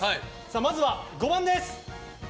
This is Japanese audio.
まずは５番です。